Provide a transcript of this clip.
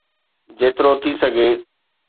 جيترو ٿي سگهي.